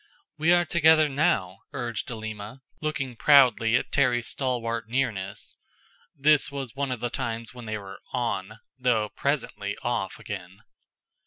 "We are together now," urged Alima, looking proudly at Terry's stalwart nearness. (This was one of the times when they were "on," though presently "off" again.)